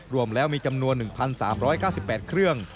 รวมแล้วมีจำนวน๑๓๙๘เครื่อง